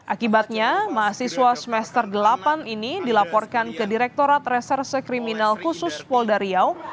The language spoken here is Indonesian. akibatnya mahasiswa semester delapan ini dilaporkan ke direktorat reserse kriminal khusus polda riau